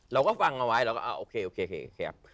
เราก็ฟังเอาไว้เราก็เอ้าโอเคครับ